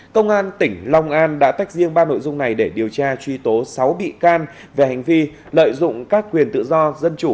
công an tỉnh long an đã tách riêng ba nội dung này để điều tra truy tố sáu bị can về hành vi lợi dụng các quyền tự do dân chủ